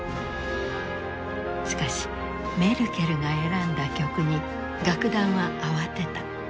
しかしメルケルが選んだ曲に楽団は慌てた。